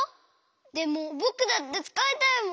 でもぼくだってつかいたいもん。